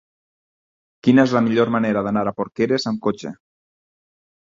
Quina és la millor manera d'anar a Porqueres amb cotxe?